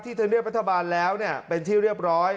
ที่เธอเรียกพัฒนาบาลแล้วเป็นที่เรียบร้อย